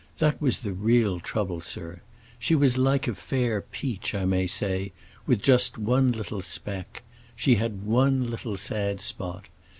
That was the real trouble, sir. She was like a fair peach, I may say, with just one little speck. She had one little sad spot.